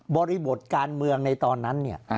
บริบทการเมืองในตอนนั้นเนี่ย